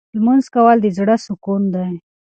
لمونځ کول د زړه سکون دی.